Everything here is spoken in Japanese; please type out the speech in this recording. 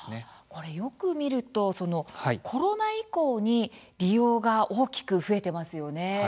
これ、よく見ると特にコロナ以降に利用が大きく増えてますよね。